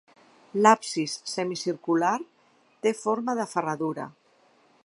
L’absis semicircular té forma de ferradura.